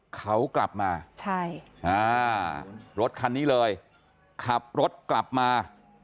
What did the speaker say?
เขากลับมารถคันนี้เลยขับรถกลับมา